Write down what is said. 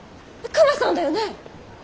クマさんだよね？